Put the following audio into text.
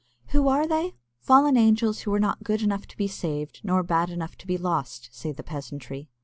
Who are they? "Fallen angels who were not good enough to be saved, nor bad enough to be lost," say the peasantry.